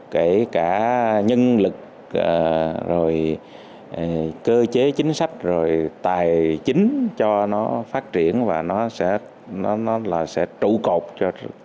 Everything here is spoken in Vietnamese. kể cả nhân lực cơ chế chính sách tài chính cho nó phát triển và nó sẽ trụ cột